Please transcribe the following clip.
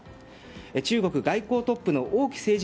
中国外交トップの王毅政治